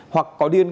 hoặc có điên bộ